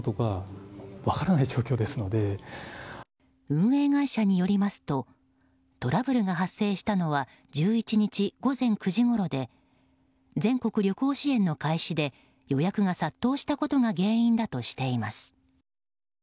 運営会社によりますとトラブルが発生したのは１１日午前９時ごろで全国旅行支援の開始で予約が殺到したことが原因だとしています。